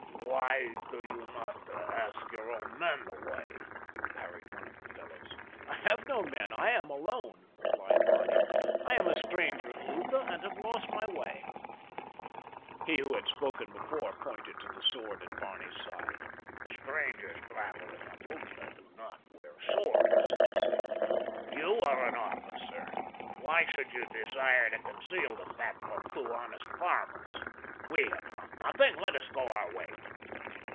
"Why do you not ask your own men the way?" parried one of the fellows. "I have no men, I am alone," replied Barney. "I am a stranger in Lutha and have lost my way." He who had spoken before pointed to the sword at Barney's side. "Strangers traveling in Lutha do not wear swords," he said. "You are an officer. Why should you desire to conceal the fact from two honest farmers? We have done nothing. Let us go our way."